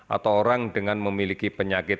atau orang dengan memiliki penyakit